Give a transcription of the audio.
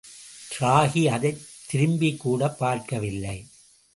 ராகி அதைத் திரும்பிக்கூடப் பார்க்கவில்லை.